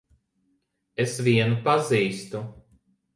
Es vienu pazīstu.